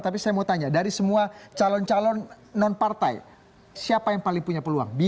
tapi saya mau tanya dari semua calon calon non partai siapa yang paling punya peluang